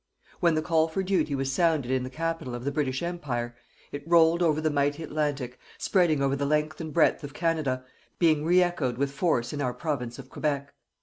When the call for duty was sounded in the Capital of the British Empire, it rolled over the mighty Atlantic, spreading over the length and breadth of Canada, being re echoed with force in our Province of Quebec.